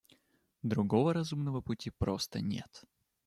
Другого разумного пути просто нет.